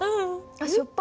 あっしょっぱ！